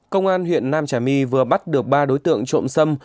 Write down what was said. công an huyện nam trà my vừa bắt được ba đối tượng trộm xâm